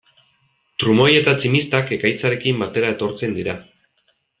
Trumoi eta tximistak ekaitzarekin batera etortzen dira.